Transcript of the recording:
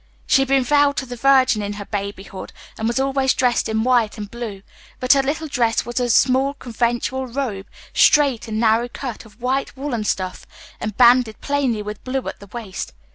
She had been vowed to the Virgin in her babyhood, and was always dressed in white and blue, but her little dress was a small conventual robe, straight and narrow cut, of white woollen stuff, and banded plainly with blue at the waist.